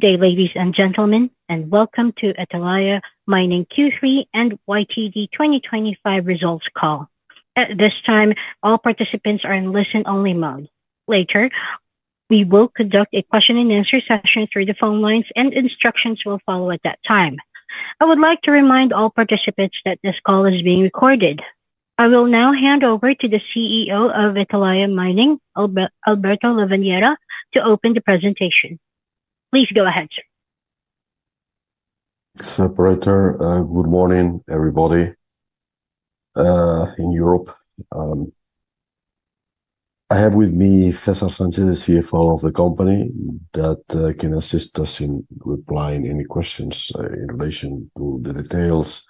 Good day, ladies and gentlemen, and welcome to Atalaya Mining Q3 and YTD 2025 Results Call. At this time, all participants are in listen-only mode. Later, we will conduct a question-and-answer session through the phone lines, and instructions will follow at that time. I would like to remind all participants that this call is being recorded. I will now hand over to the CEO of Atalaya Mining, Alberto Lavandeira, to open the presentation. Please go ahead, sir. Thanks, Operator. Good morning, everybody in Europe. I have with me César Sánchez, the CFO of the company, that can assist us in replying to any questions in relation to the details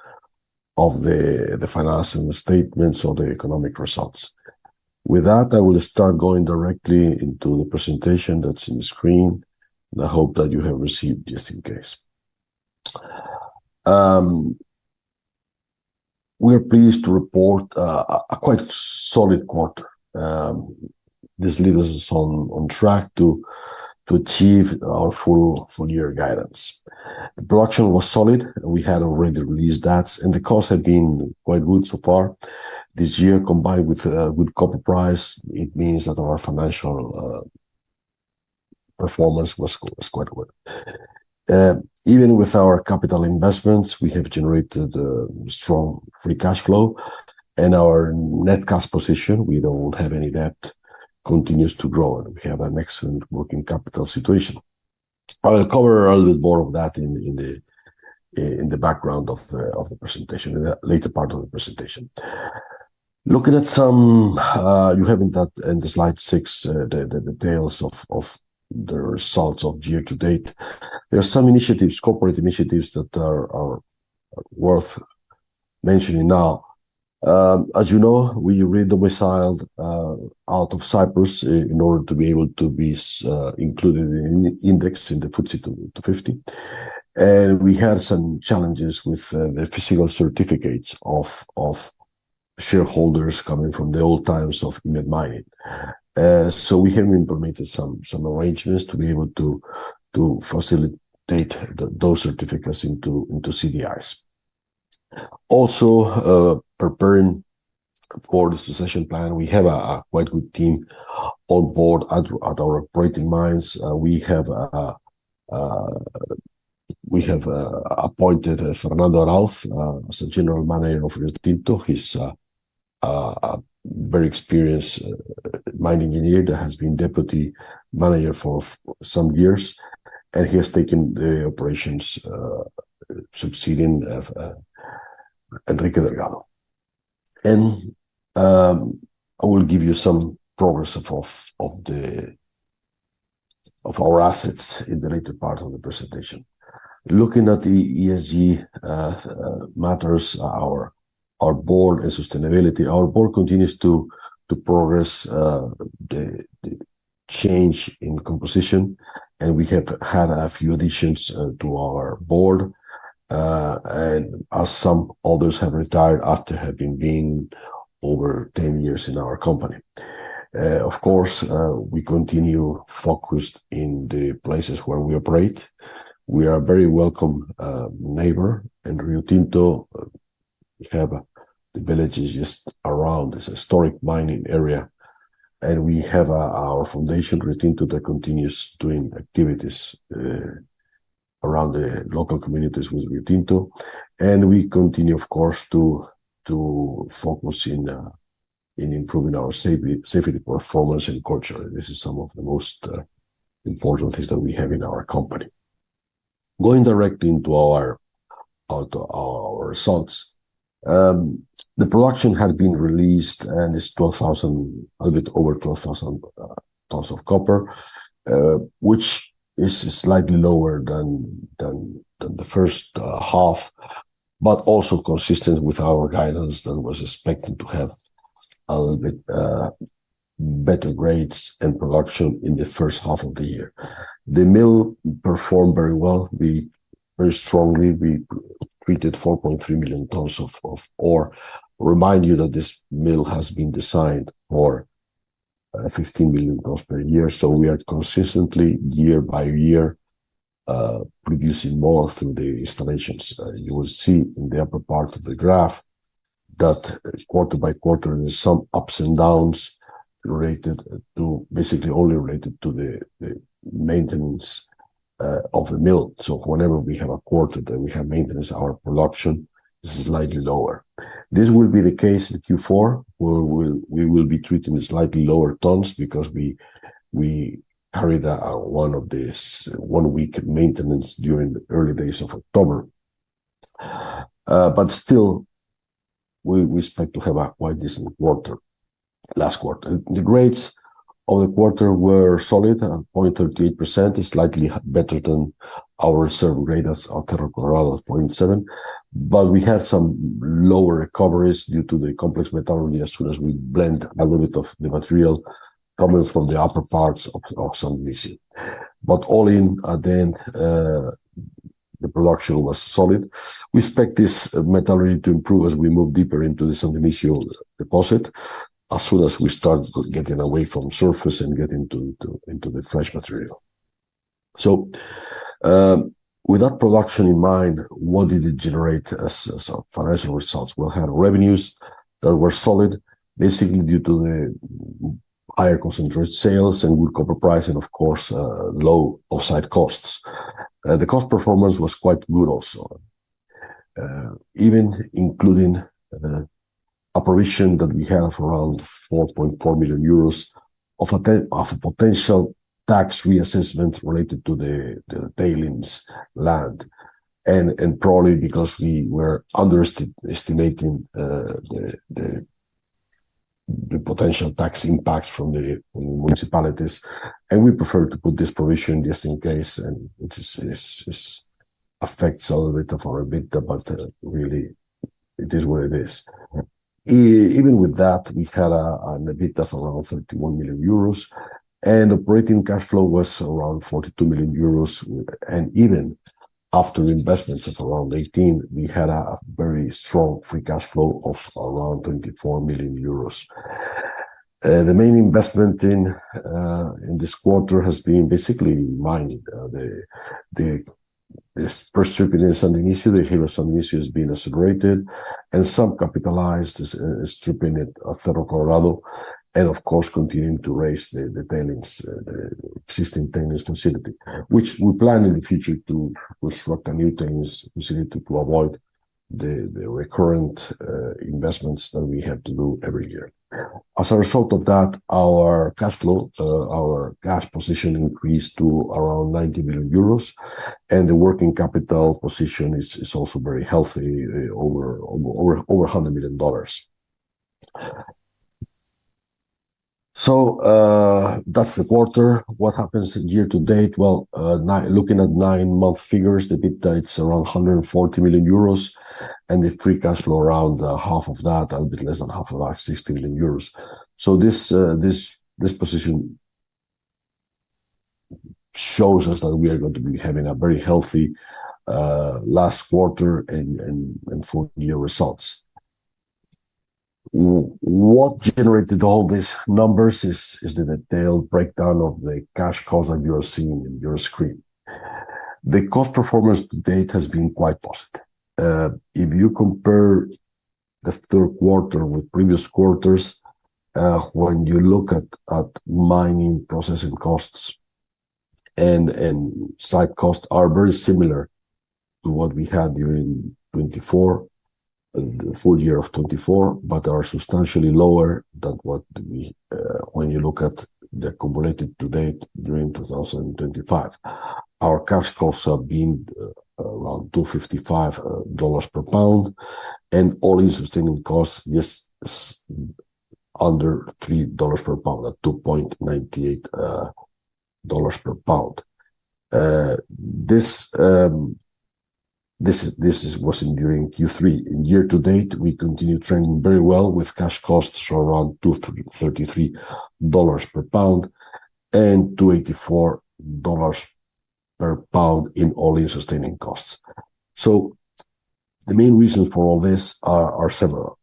of the financial statements or the economic results. With that, I will start going directly into the presentation that is on the screen, and I hope that you have received it just in case. We are pleased to report a quite solid quarter. This leaves us on track to achieve our full year guidance. The production was solid, and we had already released that, and the costs have been quite good so far. This year, combined with good copper price, it means that our financial performance was quite good. Even with our capital investments, we have generated strong free cash flow, and our net cost position, we do not have any debt, continues to grow, and we have an excellent working capital situation. I will cover a little bit more of that in the background of the presentation, in the later part of the presentation. Looking at some, you have in slide 6 the details of the results of year to date. There are some initiatives, corporate initiatives that are worth mentioning now. As you know, we re-domiciled out of Cyprus in order to be able to be included in the index in the FTSE 250, and we had some challenges with the physical certificates of shareholders coming from the old times of mining. We have implemented some arrangements to be able to facilitate those certificates into CDIs. Also, preparing for the succession plan, we have a quite good team on board at our operating mines. We have appointed Fernando Araúz as General Manager of Riotinto. He's a very experienced mine engineer that has been Deputy Manager for some years, and he has taken the operations succeeding Enrique Delgado. I will give you some progress of our assets in the later part of the presentation. Looking at the ESG matters, our board and sustainability, our board continues to progress the change in composition, and we have had a few additions to our board, and some others have retired after having been over 10 years in our company. Of course, we continue focused in the places where we operate. We are a very welcome neighbor, and Riotinto have the villages just around this historic mining area, and we have our foundation Riotinto that continues doing activities around the local communities with Riotinto. We continue, of course, to focus in improving our safety performance and culture. This is some of the most important things that we have in our company. Going directly into our results, the production had been released and is 12,000, a little bit over 12,000 tons of copper, which is slightly lower than the first half, but also consistent with our guidance that was expected to have a little bit better rates and production in the first half of the year. The mill performed very well. Very strongly, we treated 4.3 million tons of ore. Remind you that this mill has been designed for 15 million tons per year. We are consistently, year by year, producing more through the installations. You will see in the upper part of the graph that quarter by quarter, there are some ups and downs related to, basically only related to the maintenance of the mill. Whenever we have a quarter that we have maintenance, our production is slightly lower. This will be the case in Q4. We will be treating slightly lower tons because we carried one of these one-week maintenance during the early days of October. Still, we expect to have a quite decent quarter, last quarter. The grades of the quarter were solid, 0.38%, slightly better than our reserve grade as Alterra Colorado, 0.7. We had some lower recoveries due to the complex metallurgy as soon as we blend a little bit of the material coming from the upper parts of San Dionisio. All in, at the end, the production was solid. We expect this metallurgy to improve as we move deeper into the San Dionisio deposit as soon as we start getting away from surface and getting into the fresh material. With that production in mind, what did it generate as financial results? We had revenues that were solid, basically due to the higher concentrate sales and good copper price, and of course, low offsite costs. The cost performance was quite good also, even including a provision that we have around 4.4 million euros of a potential tax reassessment related to the tailings land, and probably because we were underestimating the potential tax impact from the municipalities. We preferred to put this provision just in case, which affects a little bit of our EBITDA, but really, it is what it is. Even with that, we had an EBITDA of around 31 million euros, and operating cash flow was around 42 million euros. Even after investments of around 18 million, we had a very strong free cash flow of around 24 million euros. The main investment in this quarter has been basically mining. The first strip in San Dionisio, the Hero San Dionisio, has been accelerated and subcapitalized strip in Atalaya Colorado, and of course, continuing to raise the existing tailings facility, which we plan in the future to construct a new tailings facility to avoid the recurrent investments that we have to do every year. As a result of that, our cash flow, our cash position increased to around 90 million euros, and the working capital position is also very healthy, over $100 million. That is the quarter. What happens year to date? Looking at nine-month figures, the EBITDA is around 140 million euros, and the free cash flow around half of that, a little bit less than half of that, EUR 60 million. This position shows us that we are going to be having a very healthy last quarter and full year results. What generated all these numbers is the detailed breakdown of the cash costs that you are seeing in your screen. The cost performance to date has been quite positive. If you compare the third quarter with previous quarters, when you look at mining processing costs and site costs, they are very similar to what we had during the full year of 2024, but are substantially lower than when you look at the cumulative to date during 2025. Our cash costs have been around $2.55 per pound, and all-in sustaining costs just under $3 per pound, at $2.98 per pound. This was during Q3. In year to date, we continue trending very well with cash costs around $2.33 per pound and $2.84 per pound in all-in sustaining costs. The main reasons for all this are several.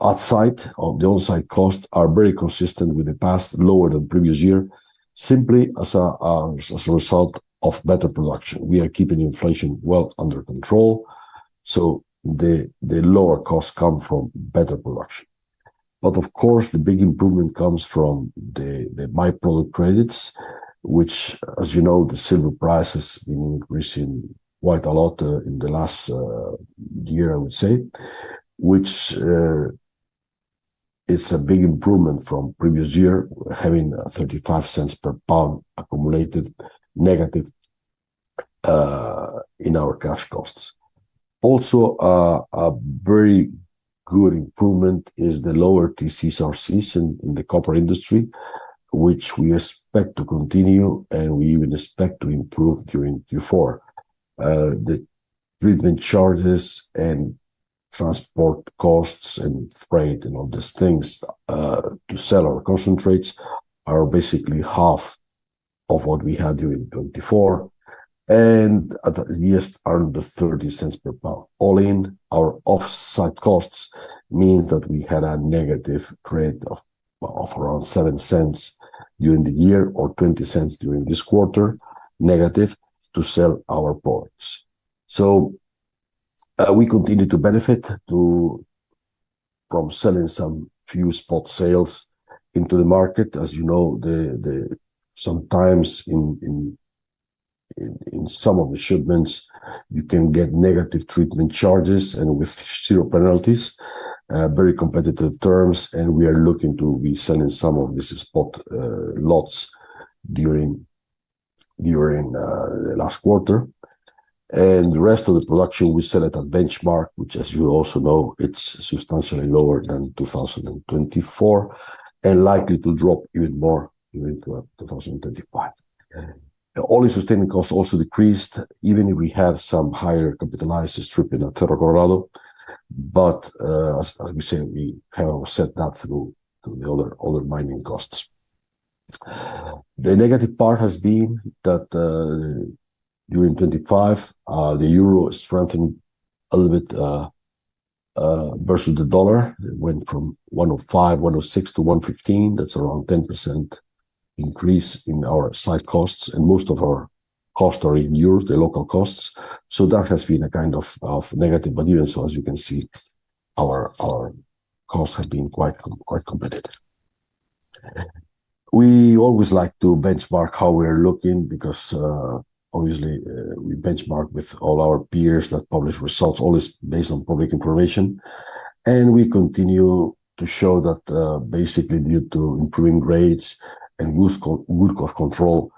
Outside, the onsite costs are very consistent with the past, lower than previous year, simply as a result of better production. We are keeping inflation well under control, the lower costs come from better production. Of course, the big improvement comes from the byproduct credits, which, as you know, the silver prices have been increasing quite a lot in the last year, I would say, which is a big improvement from previous year, having $0.35 per pound accumulated negative in our cash costs. Also, a very good improvement is the lower TCs or Cs in the copper industry, which we expect to continue, and we even expect to improve during Q4. The treatment charges and transport costs and freight and all these things to sell our concentrates are basically half of what we had during 2024, and just under $0.30 per pound. All in, our offsite costs mean that we had a negative rate of around $0.07 during the year or $0.20 during this quarter, negative to sell our products. We continue to benefit from selling some few spot sales into the market. As you know, sometimes in some of the shipments, you can get negative treatment charges and with zero penalties, very competitive terms, and we are looking to be selling some of these spot lots during the last quarter. The rest of the production, we set at a benchmark, which, as you also know, is substantially lower than 2024 and likely to drop even more into 2025. All-in sustaining costs also decreased, even if we have some higher capitalized strip in Alterra Colorado. As we said, we kind of set that through to the other mining costs. The negative part has been that during 2025, the Euro strengthened a little bit versus the dollar. It went from 1.05, 1.06 to 1.15. That is around a 10% increase in our site costs, and most of our costs are in euros, the local costs. That has been a kind of negative, but even so, as you can see, our costs have been quite competitive. We always like to benchmark how we are looking because, obviously, we benchmark with all our peers that publish results, always based on public information. We continue to show that, basically, due to improving rates and good cost control,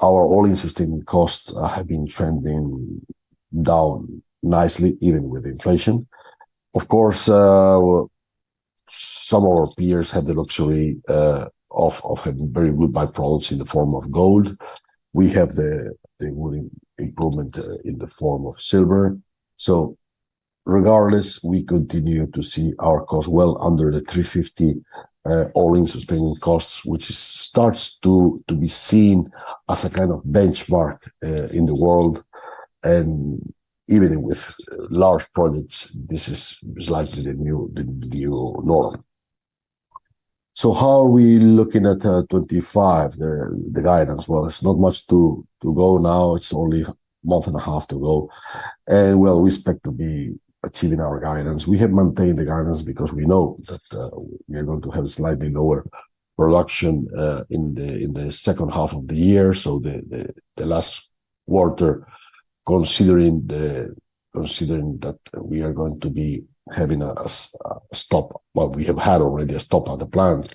our all-in sustaining costs have been trending down nicely, even with inflation. Of course, some of our peers have the luxury of having very good byproducts in the form of gold. We have the wooden improvement in the form of silver. Regardless, we continue to see our costs well under $3.50 all-in sustaining costs, which starts to be seen as a kind of benchmark in the world. Even with large projects, this is slightly the new norm. How are we looking at 2025, the guidance? There is not much to go now. It is only a month and a half to go. We expect to be achieving our guidance. We have maintained the guidance because we know that we are going to have slightly lower production in the second half of the year. The last quarter, considering that we are going to be having a stop, we have had already a stop at the plant,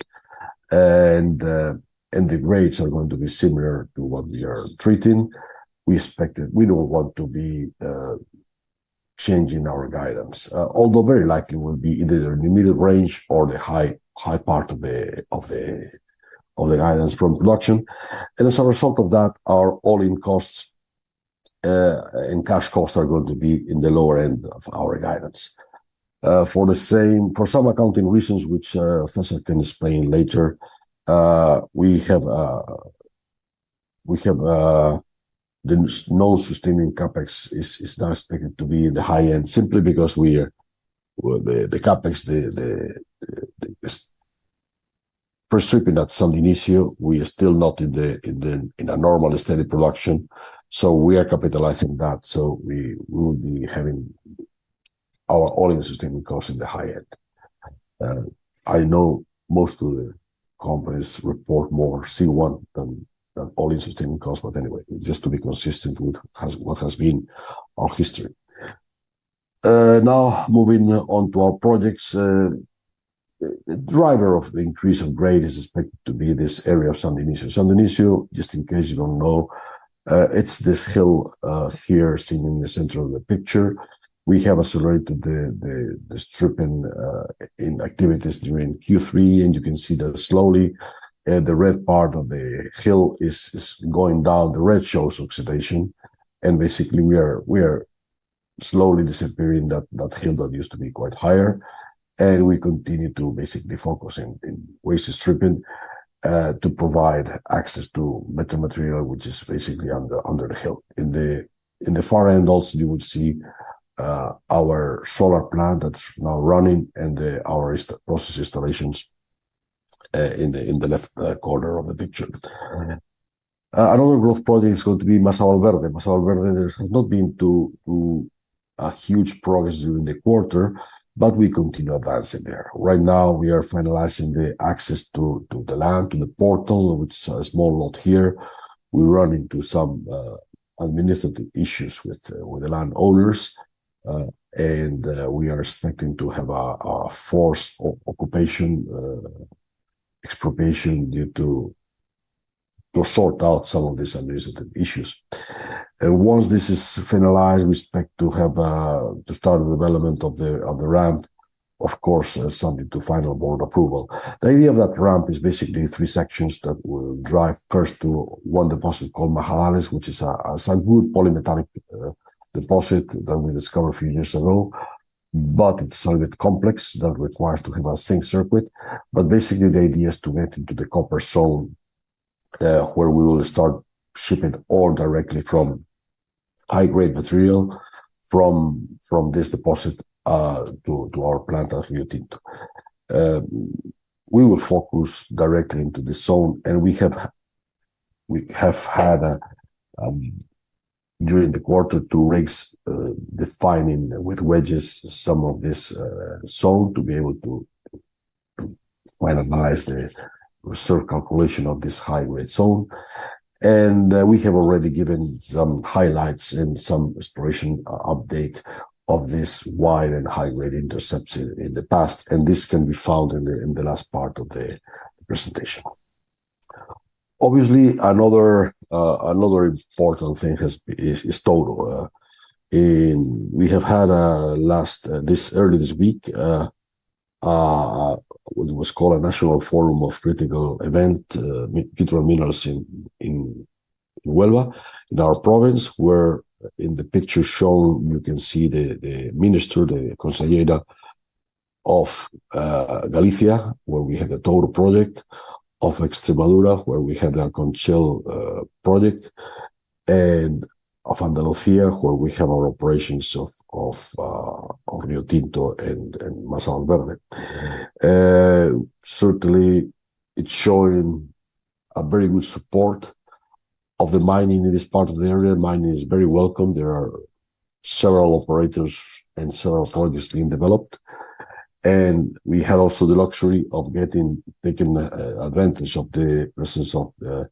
and the rates are going to be similar to what we are treating. We expect that we do not want to be changing our guidance, although very likely will be either in the middle range or the high part of the guidance from production. As a result of that, our all-in costs and cash costs are going to be in the lower end of our guidance. For some accounting reasons, which César can explain later, we have the non-sustaining CapEx is not expected to be in the high end simply because the CapEx, the per strip in San Dionisio, we are still not in a normal steady production. So we are capitalizing that. So we will be having our all-in sustaining costs in the high end. I know most of the companies report more C1 than all-in sustaining costs, but anyway, just to be consistent with what has been our history. Now, moving on to our projects, the driver of the increase of grade is expected to be this area of San Dionisio. San Dionisio, just in case you do not know, it is this hill here seen in the center of the picture. We have accelerated the stripping activities during Q3, and you can see that slowly the red part of the hill is going down. The red shows oxidation. Basically, we are slowly disappearing that hill that used to be quite higher. We continue to focus in waste stripping to provide access to better material, which is under the hill. In the far end, you will also see our solar plant that is now running and our process installations in the left corner of the picture. Another growth project is going to be Masa Valverde. Masa Valverde, there has not been a huge progress during the quarter, but we continue advancing there. Right now, we are finalizing the access to the land, to the portal, which is a small lot here. We ran into some administrative issues with the landowners, and we are expecting to have a forced occupation expropriation to sort out some of these administrative issues. Once this is finalized, we expect to start the development of the ramp, of course, something to final board approval. The idea of that ramp is basically three sections that will drive first to one deposit called [Masa Valverde], which is a good polymetallic deposit that we discovered a few years ago, but it's a little bit complex that requires to have a zinc circuit. Basically, the idea is to get into the copper zone where we will start shipping all directly from high-grade material from this deposit to our plant at Riotinto. We will focus directly into the zone, and we have had during the quarter two rigs defining with wedges some of this zone to be able to finalize the reserve calculation of this high-grade zone. We have already given some highlights and some exploration update of these wide and high-grade intercepts in the past, and this can be found in the last part of the presentation. Obviously, another important thing is total. We have had this early this week, what was called a national forum of critical event, Proyecto Masa in Huelva, in our province, where in the picture shown, you can see the minister, the consellera of Galicia, where we have the Touro project of Extremadura, where we have the Arcangel project, and of Andalusia, where we have our operations of Riotinto and Masa Valverde. Certainly, it is showing a very good support of the mining in this part of the area. Mining is very welcome. There are several operators and several projects being developed. We had also the luxury of taking advantage of the presence of the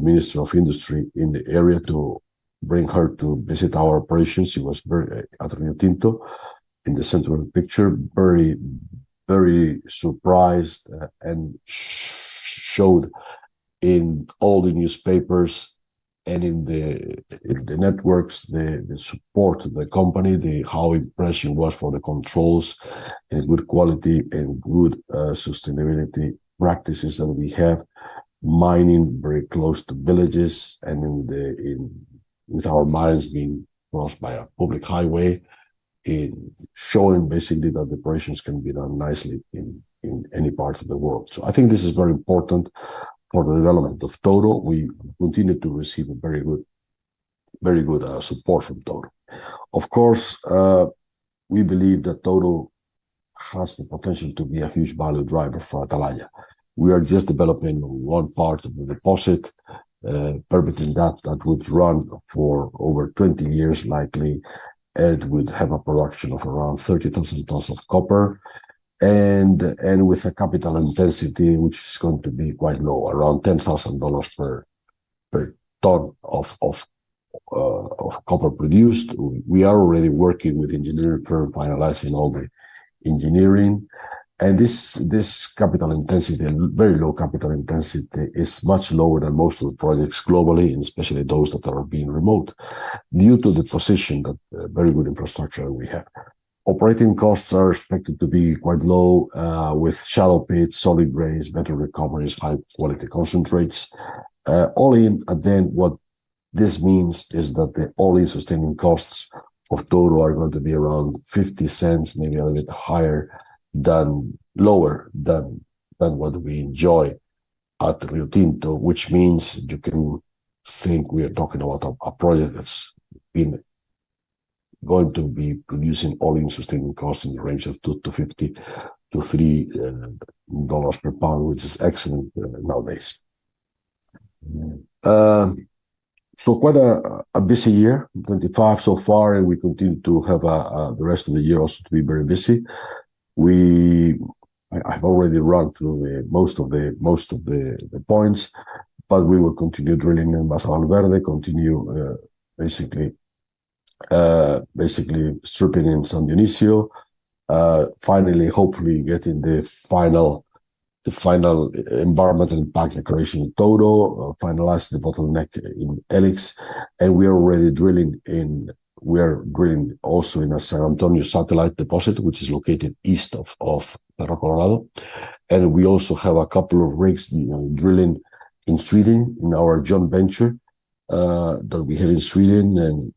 Minister of Industry in the area to bring her to visit our operations. She was at Riotinto in the central picture, very surprised and showed in all the newspapers and in the networks the support of the company, how impressive it was for the controls, and good quality and good sustainability practices that we have, mining very close to villages, and with our mines being crossed by a public highway, showing basically that the operations can be done nicely in any part of the world. I think this is very important for the development of Touro. We continue to receive very good support from Touro. Of course, we believe that Touro has the potential to be a huge value driver for Atalaya. We are just developing one part of the deposit, permitting that that would run for over 20 years, likely it would have a production of around 30,000 tons of copper, and with a capital intensity which is going to be quite low, around $10,000 per ton of copper produced. We are already working with engineering firm finalizing all the engineering. This capital intensity, very low capital intensity, is much lower than most of the projects globally, and especially those that are being remote, due to the position that very good infrastructure we have. Operating costs are expected to be quite low with shallow pits, solid grades, better recoveries, high-quality concentrates. All in, again, what this means is that the all-in sustaining costs of Touro are going to be around $0.50, maybe a little bit higher than lower than what we enjoy at Riotinto, which means you can think we are talking about a project that's going to be producing all-in sustaining costs in the range of $2.50-$3.00 per pound, which is excellent nowadays. Quite a busy year, 2025 so far, and we continue to have the rest of the year also to be very busy. I've already run through most of the points, but we will continue drilling in Masa Valverde, continue basically stripping in San Dionisio, finally, hopefully getting the final environmental impact declaration in Touro, finalize the bottleneck in E-LIX. We are already drilling in, we are drilling also in a San Antonio satellite deposit, which is located east of Cerro Colorado. We also have a couple of rigs drilling in Sweden in our joint venture that we have in Sweden,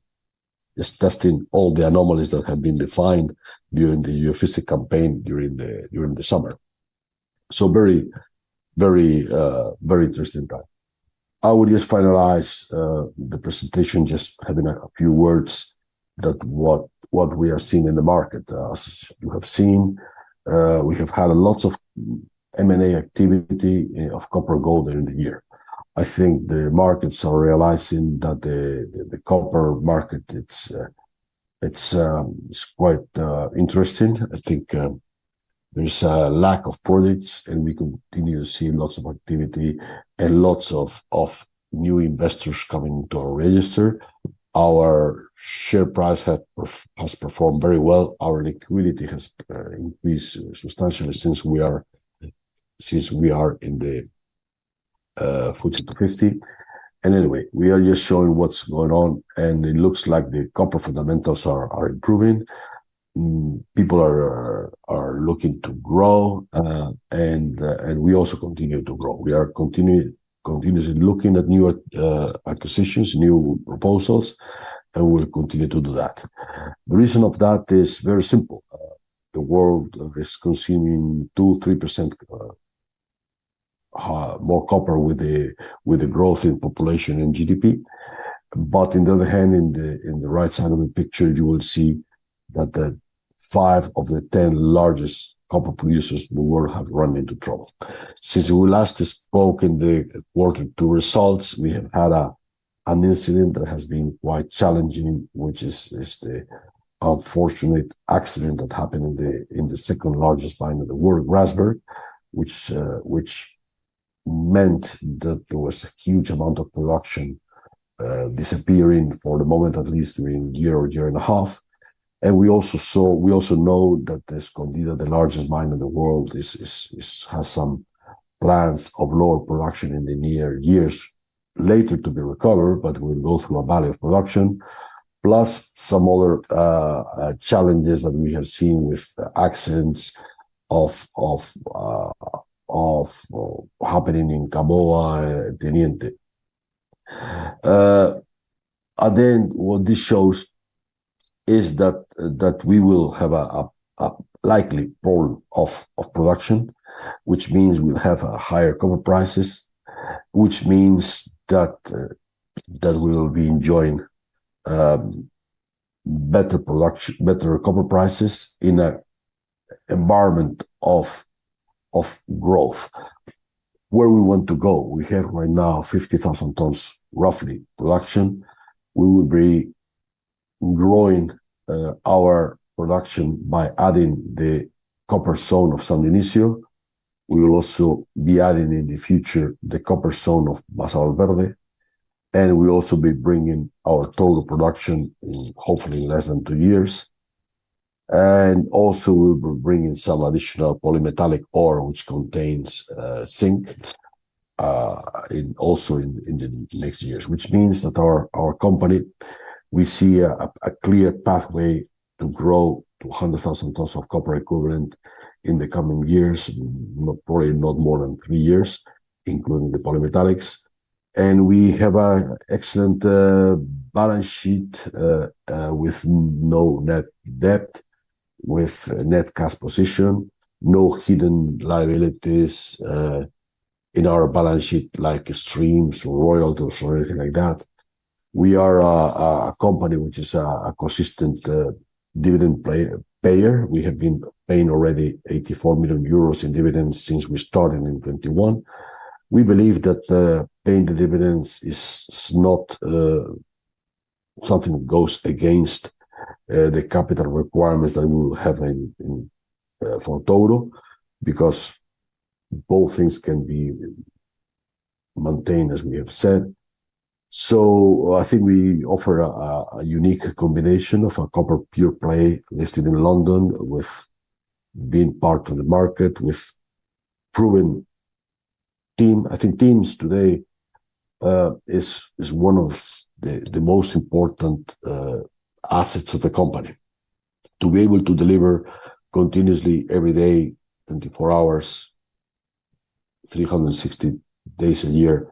just testing all the anomalies that have been defined during the geophysics campaign during the summer. Very, very, very interesting time. I will just finalize the presentation, just having a few words about what we are seeing in the market. As you have seen, we have had lots of M&A activity of copper gold during the year. I think the markets are realizing that the copper market, it's quite interesting. I think there's a lack of projects, and we continue to see lots of activity and lots of new investors coming into our register. Our share price has performed very well. Our liquidity has increased substantially since we are in the 40%-50%. Anyway, we are just showing what's going on, and it looks like the copper fundamentals are improving. People are looking to grow, and we also continue to grow. We are continuously looking at new acquisitions, new proposals, and we'll continue to do that. The reason of that is very simple. The world is consuming 2%-3% more copper with the growth in population and GDP. On the other hand, in the right side of the picture, you will see that five of the 10 largest copper producers in the world have run into trouble. Since we last spoke in the quarter two results, we have had an incident that has been quite challenging, which is the unfortunate accident that happened in the second largest mine in the world, Grasberg, which meant that there was a huge amount of production disappearing for the moment, at least during a year or a year and a half. We also know that Escondida, the largest mine in the world, has some plans of lower production in the near years later to be recovered, but we will go through a valley of production, plus some other challenges that we have seen with accidents happening in Cabaña, Teniente. Again, what this shows is that we will have a likely pool of production, which means we will have higher copper prices, which means that we will be enjoying better copper prices in an environment of growth. Where we want to go, we have right now 50,000 tons, roughly, production. We will be growing our production by adding the copper zone of San Dionisio. We will also be adding in the future the copper zone of Masa Valverde, and we will also be bringing our total production hopefully in less than two years. We will be bringing some additional polymetallic ore, which contains zinc, also in the next years, which means that our company, we see a clear pathway to grow to 100,000 tons of copper equivalent in the coming years, probably not more than three years, including the polymetallics. We have an excellent balance sheet with no net debt, with net cash position, no hidden liabilities in our balance sheet, like streams, royalties, or anything like that. We are a company which is a consistent dividend payer. We have been paying already 84 million euros in dividends since we started in 2021. We believe that paying the dividends is not something that goes against the capital requirements that we will have for Touro because both things can be maintained, as we have said. I think we offer a unique combination of a copper pure play listed in London with being part of the market with proven team. I think teams today is one of the most important assets of the company. To be able to deliver continuously every day, 24 hours, 360 days a year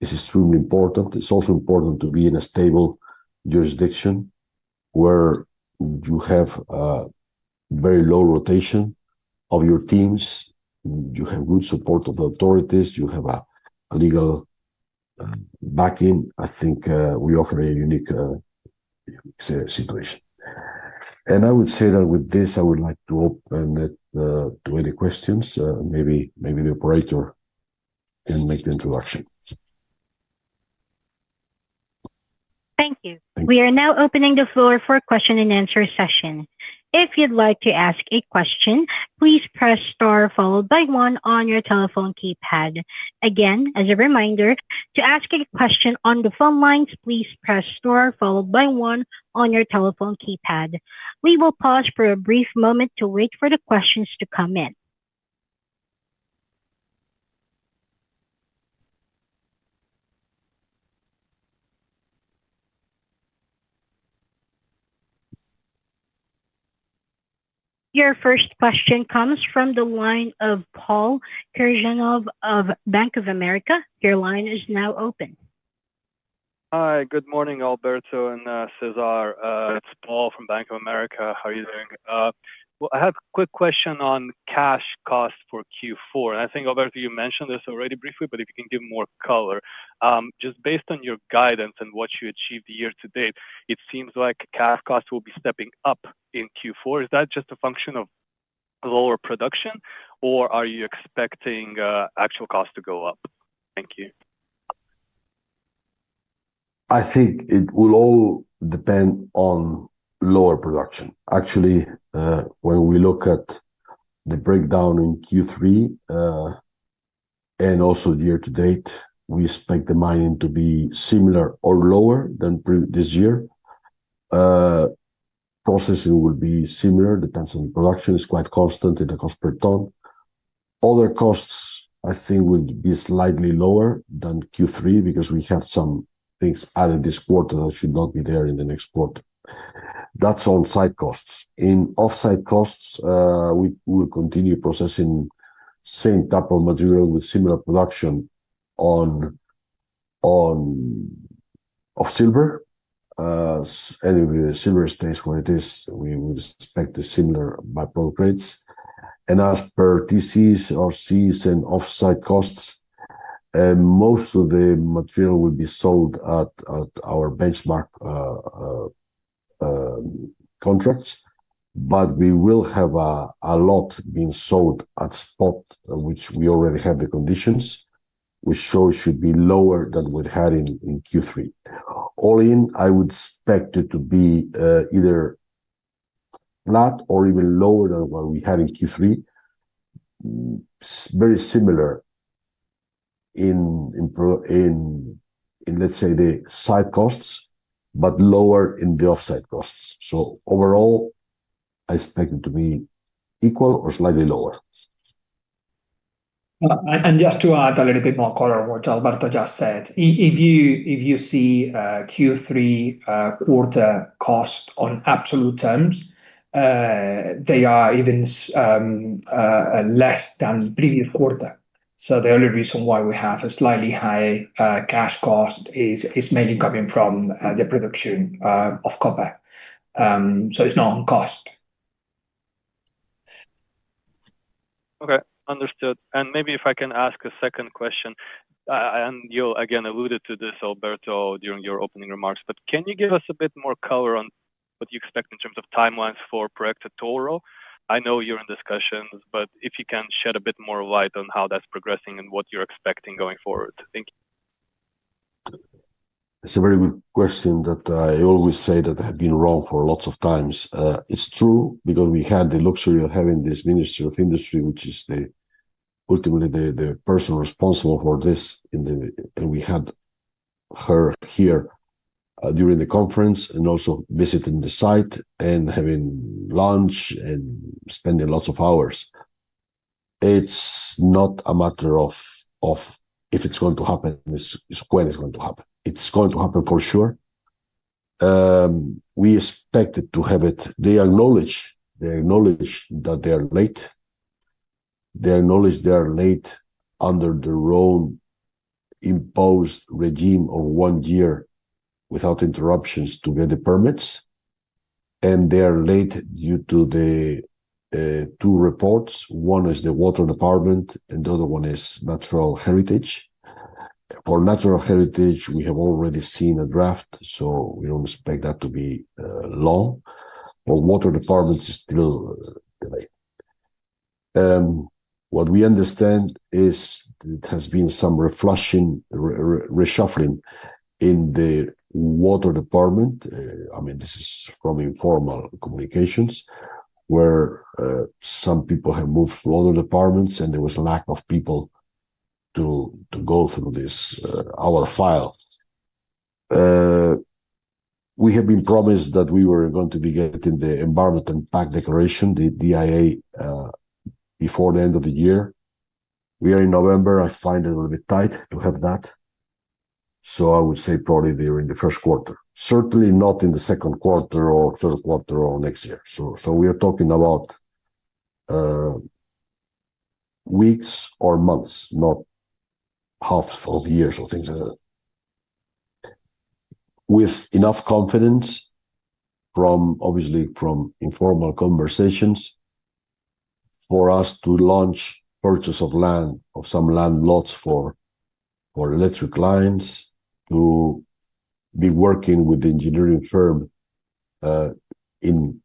is extremely important. It is also important to be in a stable jurisdiction where you have very low rotation of your teams. You have good support of the authorities. You have a legal backing. I think we offer a unique situation. I would say that with this, I would like to open it to any questions. Maybe the operator can make the introduction. Thank you. We are now opening the floor for a question-and-answer session. If you'd like to ask a question, please press star followed by one on your telephone keypad. Again, as a reminder, to ask a question on the phone lines, please press star followed by one on your telephone keypad. We will pause for a brief moment to wait for the questions to come in. Your first question comes from the line of Paul Kirjanov of Bank of America. Your line is now open. Hi. Good morning, Alberto and César. It's Paul from Bank of America. How are you doing? I have a quick question on cash cost for Q4. I think, Alberto, you mentioned this already briefly, but if you can give more color. Just based on your guidance and what you achieved year to date, it seems like cash costs will be stepping up in Q4. Is that just a function of lower production, or are you expecting actual costs to go up? Thank you. I think it will all depend on lower production. Actually, when we look at the breakdown in Q3 and also year to date, we expect the mining to be similar or lower than this year. Processing will be similar. The tension of production is quite constant in the cost per ton. Other costs, I think, will be slightly lower than Q3 because we have some things added this quarter that should not be there in the next quarter. That is on site costs. In offsite costs, we will continue processing same type of material with similar production of silver. Anyway, the silver stays where it is. We would expect the similar byproduct rates. As per TCs or Cs and offsite costs, most of the material will be sold at our benchmark contracts, but we will have a lot being sold at spot, which we already have the conditions, which should be lower than we had in Q3. All in, I would expect it to be either flat or even lower than what we had in Q3. It is very similar in, let's say, the site costs, but lower in the offsite costs. Overall, I expect it to be equal or slightly lower. Just to add a little bit more color on what Alberto just said, if you see Q3 quarter cost on absolute terms, they are even less than previous quarter. The only reason why we have a slightly high cash cost is mainly coming from the production of copper. It is not on cost. Okay. Understood. Maybe if I can ask a second question, and you again alluded to this, Alberto, during your opening remarks, but can you give us a bit more color on what you expect in terms of timelines for Proyecto Touro? I know you are in discussions, but if you can shed a bit more light on how that is progressing and what you are expecting going forward. Thank you. It is a very good question that I always say that I have been wrong for lots of times. It's true because we had the luxury of having this Minister of Industry, which is ultimately the person responsible for this, and we had her here during the conference and also visiting the site and having lunch and spending lots of hours. It's not a matter of if it's going to happen, it's when it's going to happen. It's going to happen for sure. We expected to have it. They acknowledge that they are late. They acknowledge they are late under the wrong imposed regime of one year without interruptions to get the permits. They are late due to the two reports. One is the Water Department, and the other one is Natural Heritage. For Natural Heritage, we have already seen a draft, so we don't expect that to be long. Water Department is still delayed. What we understand is it has been some refreshing reshuffling in the Water Department. I mean, this is from informal communications where some people have moved to other departments, and there was a lack of people to go through this, our file. We have been promised that we were going to be getting the Environmental Impact Declaration, the DIA, before the end of the year. We are in November. I find it a little bit tight to have that. I would say probably during the first quarter. Certainly not in the second quarter or third quarter or next year. We are talking about weeks or months, not half of years or things like that. With enough confidence, obviously from informal conversations, for us to launch purchase of land of some landlots for electric lines to be working with the engineering firm in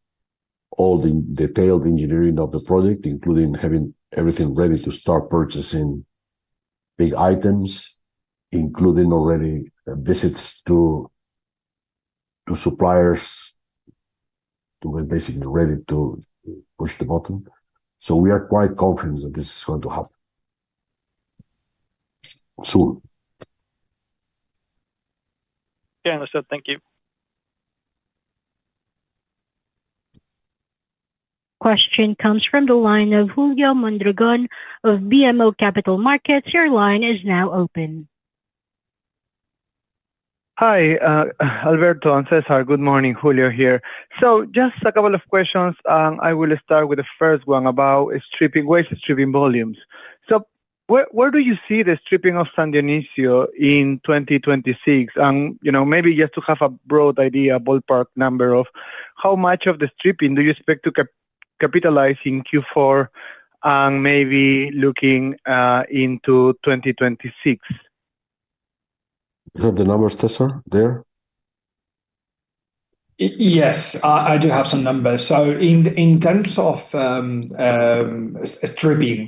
all the detailed engineering of the project, including having everything ready to start purchasing big items, including already visits to suppliers to get basically ready to push the button. We are quite confident that this is going to happen soon. Yeah, understood. Thank you. Question comes from the line of Julio Mondragon of BMO Capital Markets. Your line is now open. Hi, Alberto, César. Good morning. Julio here. Just a couple of questions. I will start with the first one about stripping waste and stripping volumes. Where do you see the stripping of San Dionisio in 2026? Maybe just to have a broad idea, a ballpark number of how much of the stripping do you expect to capitalize in Q4 and maybe looking into 2026? You have the numbers, César, there? Yes. I do have some numbers. In terms of stripping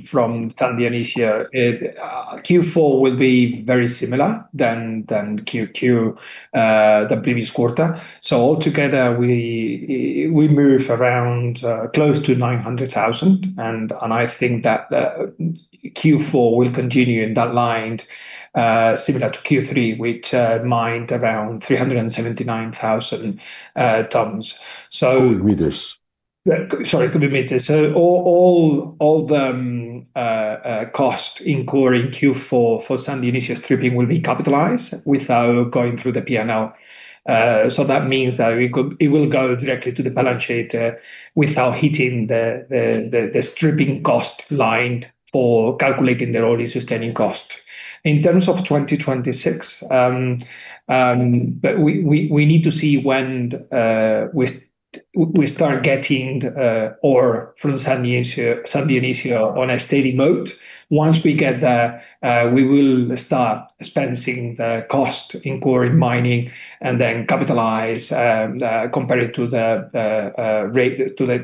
from San Dionisio, Q4 will be very similar to Q2, the previous quarter. Altogether, we move around close to 900,000. I think that Q4 will continue in that line, similar to Q3, which mined around 379,000 tons. Could be meters. Sorry, could be meters. All the cost incurred in Q4 for San Dionisio stripping will be capitalized without going through the P&L. That means it will go directly to the balance sheet without hitting the stripping cost line for calculating the rolling sustaining cost. In terms of 2026, we need to see when we start getting ore from San Dionisio on a steady mode. Once we get that, we will start expensing the cost incurring mining and then capitalize compared to the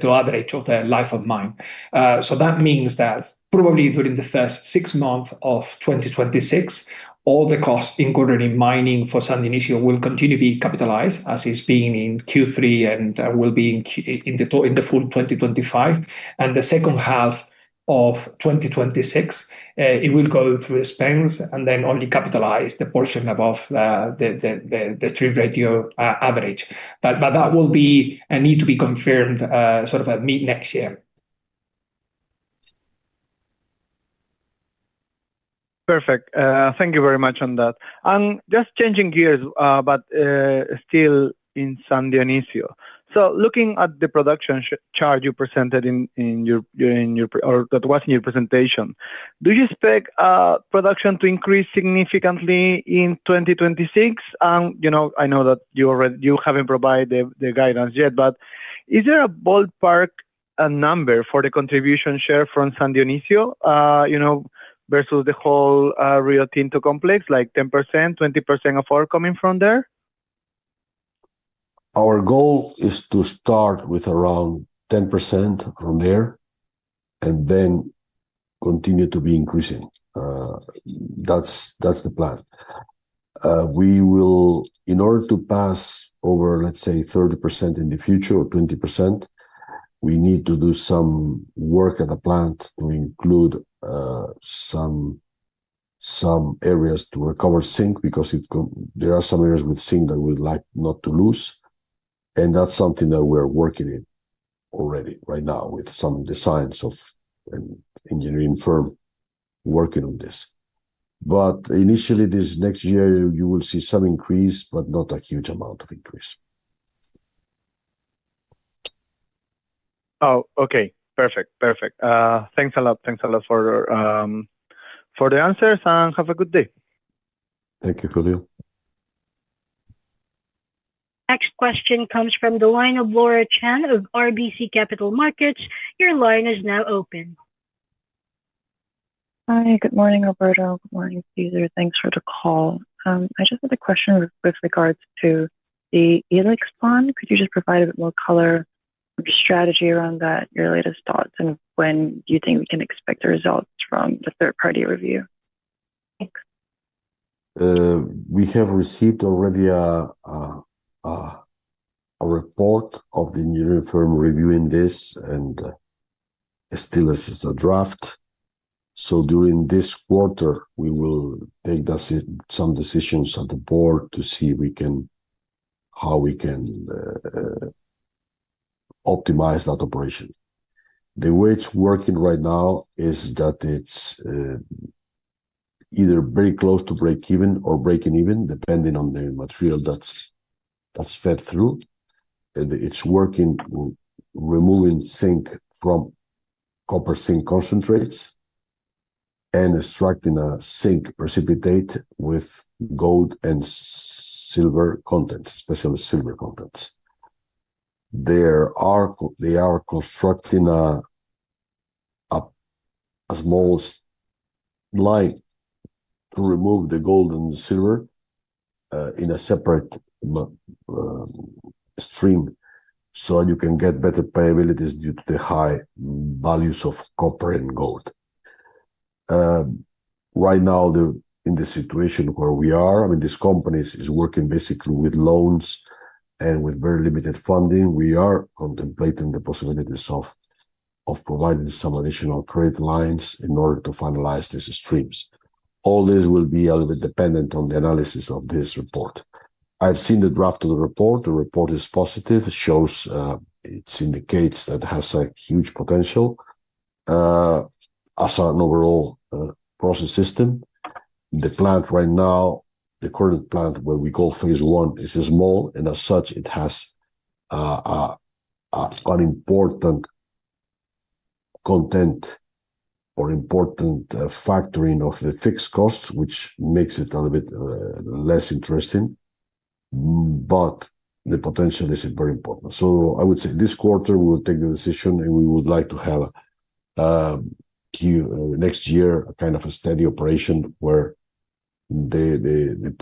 average of the life of mine. That means that probably during the first six months of 2026, all the costs incurring in mining for San Dionisio will continue to be capitalized as it's been in Q3 and will be in the full 2025. In the second half of 2026, it will go through expense and then only capitalize the portion above the strip ratio average. That will be and need to be confirmed sort of at mid-next year. Perfect. Thank you very much on that. Just changing gears, but still in San Dionisio. Looking at the production chart you presented in your presentation, do you expect production to increase significantly in 2026? I know that you haven't provided the guidance yet, but is there a ballpark number for the contribution share from San Dionisio versus the whole Riotinto complex, like 10%, 20% of ore coming from there? Our goal is to start with around 10% from there and then continue to be increasing. That's the plan. In order to pass over, let's say, 30% in the future or 20%, we need to do some work at the plant to include some areas to recover zinc because there are some areas with zinc that we'd like not to lose. That's something that we're working in already right now with some designs of an engineering firm working on this. Initially, this next year, you will see some increase, but not a huge amount of increase. Okay. Perfect. Perfect. Thanks a lot. Thanks a lot for the answers and have a good day. Thank you, Julio. Next question comes from the line of Laura Chan of RBC Capital Markets. Your line is now open. Hi. Good morning, Alberto. Good morning, César. Thanks for the call. I just have a question with regards to the Helix fund. Could you just provide a bit more color of your strategy around that, your latest thoughts, and when you think we can expect the results from the third-party review? Thanks. We have received already a report of the engineering firm reviewing this, and still, this is a draft. During this quarter, we will take some decisions at the board to see how we can optimize that operation. The way it's working right now is that it's either very close to break-even or breaking even, depending on the material that's fed through. It's working removing zinc from copper zinc concentrates and extracting a zinc precipitate with gold and silver contents, especially silver contents. They are constructing a small line to remove the gold and silver in a separate stream so that you can get better payabilities due to the high values of copper and gold. Right now, in the situation where we are, I mean, this company is working basically with loans and with very limited funding. We are contemplating the possibilities of providing some additional credit lines in order to finalize these streams. All this will be a little bit dependent on the analysis of this report. I've seen the draft of the report. The report is positive. It indicates that it has a huge potential as an overall process system. The plant right now, the current plant where we call phase I, is small, and as such, it has an important content or important factoring of the fixed costs, which makes it a little bit less interesting. The potential is very important. I would say this quarter, we will take the decision, and we would like to have next year kind of a steady operation where the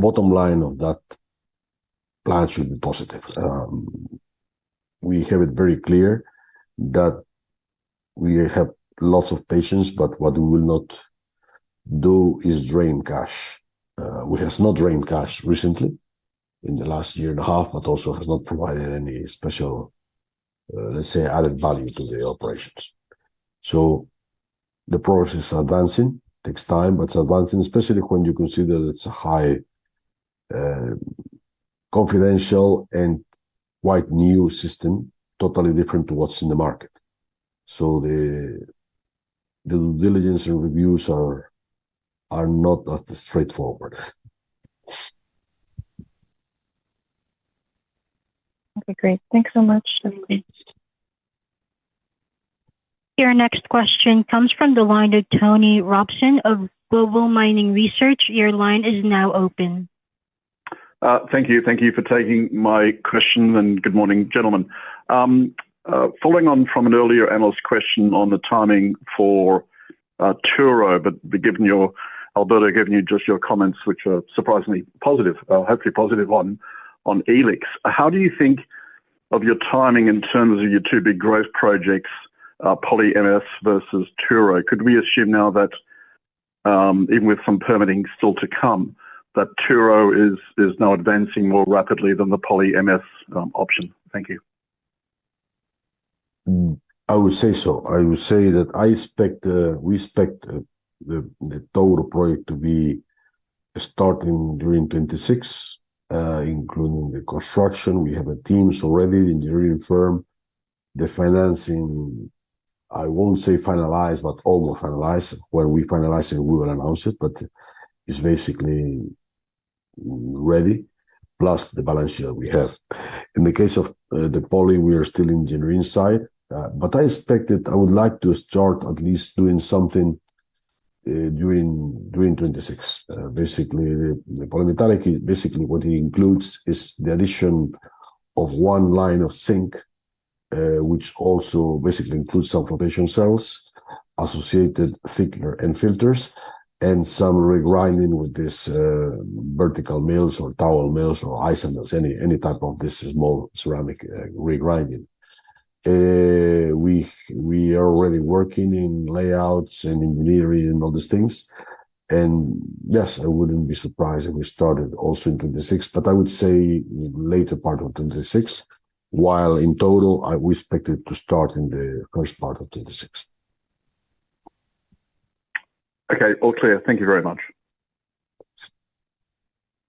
bottom line of that plan should be positive. We have it very clear that we have lots of patience, but what we will not do is drain cash. We have not drained cash recently in the last year and a half, but also have not provided any special, let's say, added value to the operations. The process is advancing. It takes time, but it's advancing, especially when you consider it's a high confidential and quite new system, totally different to what's in the market. So the due diligence and reviews are not that straightforward. Okay. Great. Thanks so much. Your next question comes from the line of Tony Robson of Global Mining Research. Your line is now open. Thank you. Thank you for taking my question, and good morning, gentlemen. Following on from an earlier analyst question on the timing for Touro, but Alberto, given just your comments, which are surprisingly positive, hopefully positive on E-LIX. How do you think of your timing in terms of your two big growth projects, Poly MS versus Touro? Could we assume now that, even with some permitting still to come, that Touro is now advancing more rapidly than the Poly MS option? Thank you. I would say so. I would say that we expect the total project to be starting during 2026, including the construction. We have a team already, the engineering firm. The financing, I won't say finalized, but almost finalized. When we finalize it, we will announce it, but it's basically ready, plus the balance sheet that we have. In the case of the Poly, we are still in the engineering side. I expect that I would like to start at least doing something during 2026. Basically, the polymetallic, basically what it includes is the addition of one line of zinc, which also basically includes some flotation cells, associated thickener and filters, and some regrinding with these vertical mills or towel mills or isomills, any type of this small ceramic regrinding. We are already working in layouts and engineering and all these things. Yes, I wouldn't be surprised if we started also in 2026, but I would say later part of 2026, while in total, we expect it to start in the first part of 2026. Okay. All clear. Thank you very much.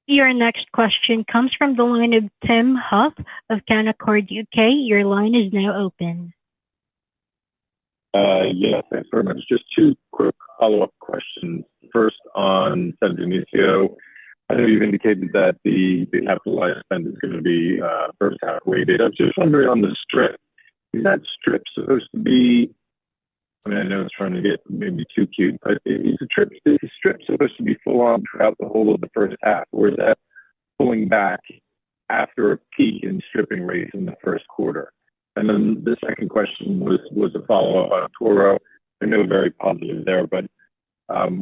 Your next question comes from the line of Tim Huth of Canaccord, U.K. Your line is now open. Yes. Thanks very much. Just two quick follow-up questions. First, on San Dionisio, I know you've indicated that the capitalized spend is going to be first half weighted. I'm just wondering on the strip. Is that strip supposed to be—I mean, I know it's trying to get maybe too cute, but is the strip supposed to be full on throughout the whole of the first half, or is that pulling back after a peak in stripping rates in the first quarter? And then the second question was a follow-up on Touro. I know very positive there, but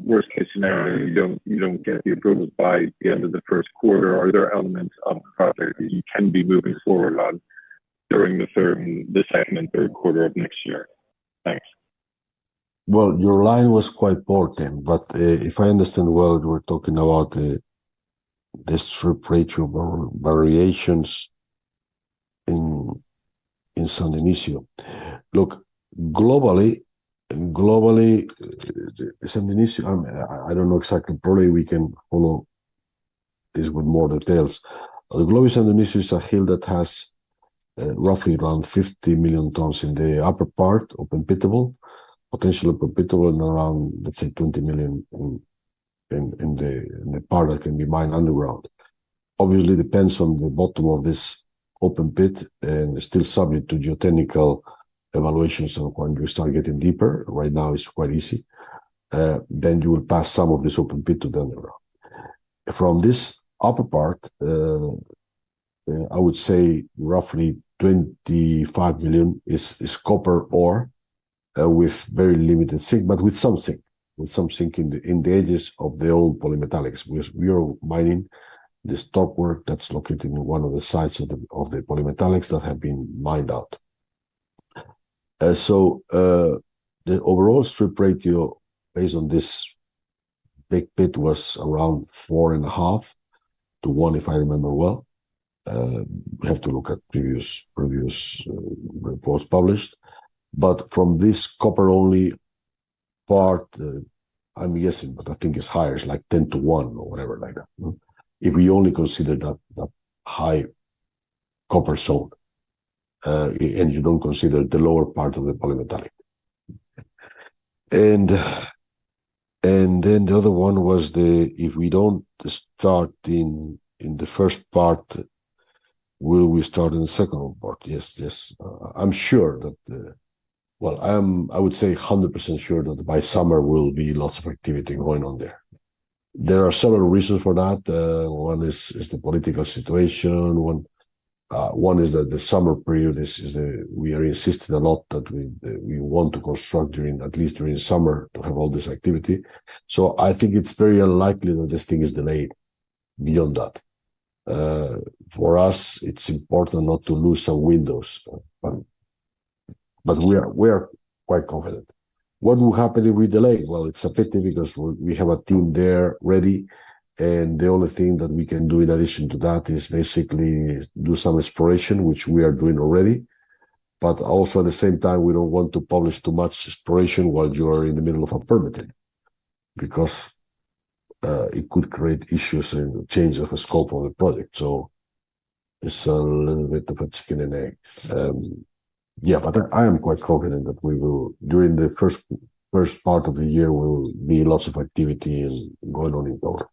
worst-case scenario, you don't get the approvals by the end of the first quarter. Are there elements of the project that you can be moving forward on during the second and third quarter of next year? Thanks. Your line was quite important, but if I understand well, we're talking about the strip ratio variations in San Dionisio. Look, globally, San Dionisio—I don't know exactly. Probably we can follow this with more details. The global San Dionisio is a hill that has roughly around 50 million tons in the upper part, open pittable. Potentially open pittable in around, let's say, 20 million in the part that can be mined underground. Obviously, it depends on the bottom of this open pit and still subject to geotechnical evaluations when you start getting deeper. Right now, it's quite easy. You will pass some of this open pit to the underground. From this upper part, I would say roughly 25 million is copper ore with very limited zinc, but with some zinc, with some zinc in the edges of the old polymetallics because we are mining the stop work that's located in one of the sides of the polymetallics that have been mined out. The overall strip ratio based on this big pit was around 4.5-1, if I remember well. We have to look at previous reports published. From this copper-only part, I'm guessing, but I think it's higher, it's like 10-1 or whatever like that, if we only consider that high copper zone and you don't consider the lower part of the polymetallic. The other one was if we do not start in the first part, will we start in the second part? Yes, yes. I am sure that—I would say 100% sure that by summer, there will be lots of activity going on there. There are several reasons for that. One is the political situation. One is that the summer period is—we are insisting a lot that we want to construct at least during summer to have all this activity. I think it is very unlikely that this thing is delayed beyond that. For us, it is important not to lose some windows, but we are quite confident. What will happen if we delay? It is a pity because we have a team there ready, and the only thing that we can do in addition to that is basically do some exploration, which we are doing already. Also, at the same time, we do not want to publish too much exploration while you are in the middle of a permitting because it could create issues and change the scope of the project. It is a little bit of a chicken and egg. Yeah, but I am quite confident that during the first part of the year, there will be lots of activity going on in Touro.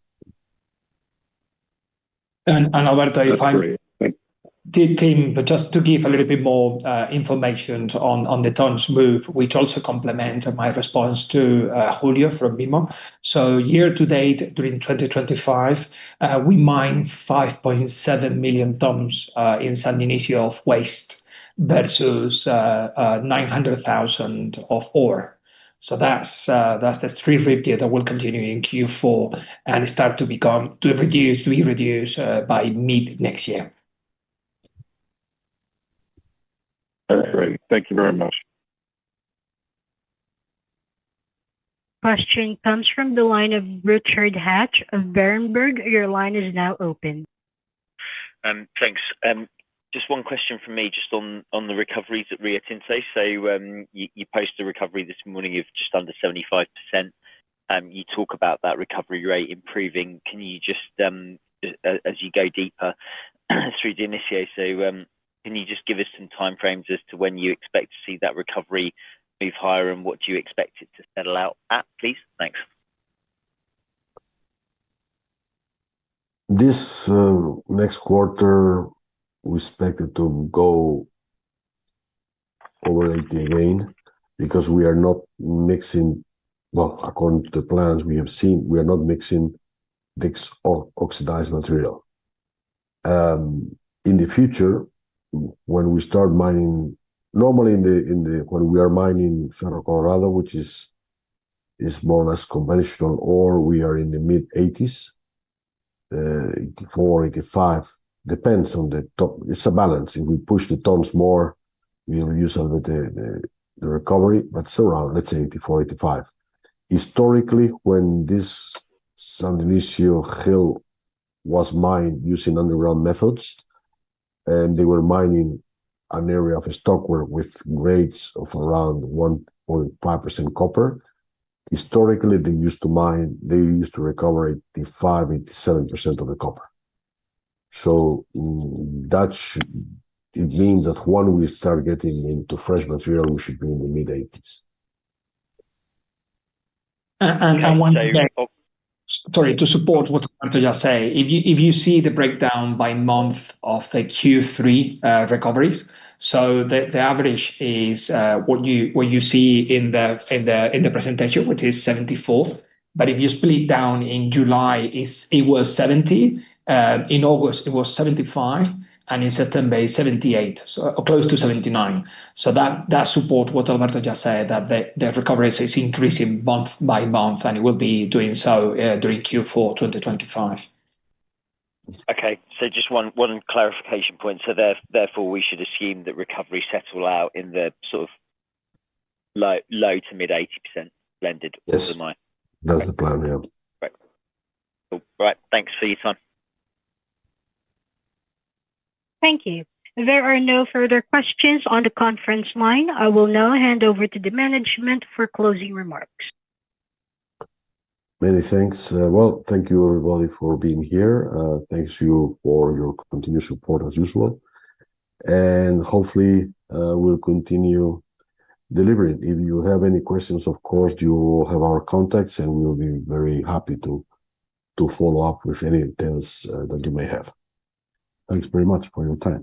Alberto, if I am—Tim, but just to give a little bit more information on the tons moved, which also complements my response to Julio from BMO. Year to date, during 2025, we mine 5.7 million tons in San Dionisio of waste versus 900,000 of ore. That is the strip ratio that will continue in Q4 and start to be reduced by mid next year. That is great. Thank you very much. Question comes from the line of Richard Hatch of Berenberg. Your line is now open. Thanks. Just one question from me just on the recoveries at Riotinto. You post a recovery this morning of just under 75%. You talk about that recovery rate improving. Can you just, as you go deeper through San Dionisio, can you just give us some time frames as to when you expect to see that recovery move higher and what you expect it to settle out at, please? Thanks. This next quarter, we expect it to go over 80% again because we are not mixing—well, according to the plans we have seen, we are not mixing this oxidized material. In the future, when we start mining normally in the—when we are mining in Cerro Colorado, which is more or less conventional ore, we are in the mid-80s, 84%-85%, depends on the top—it's a balance. If we push the tons more, we reduce a little bit the recovery, but it's around, let's say, 84%-85%. Historically, when this San Dionisio hill was mined using underground methods, and they were mining an area of stockware with grades of around 1.5% copper, historically, they used to recover 85%-87% of the copper. It means that when we start getting into fresh material, we should be in the mid-80s. One thing—sorry, to support what Alberto just said, if you see the breakdown by month of the Q3 recoveries, the average is what you see in the presentation, which is 74%. If you split down in July, it was 70%. In August, it was 75%, and in September, it is 78%, so close to 79%. That supports what Alberto just said, that the recovery is increasing month by month, and it will be doing so during Q4 2025. Okay. Just one clarification point. Therefore, we should assume that recovery settles out in the sort of low to mid-80% blended for the mine. That is the plan, yeah. Right. Right. Thanks for your time. Thank you. There are no further questions on the conference line. I will now hand over to the management for closing remarks. Many thanks. Thank you, everybody, for being here. Thanks to you for your continued support, as usual. Hopefully, we will continue delivering. If you have any questions, of course, you will have our contacts, and we'll be very happy to follow up with any things that you may have. Thanks very much for your time.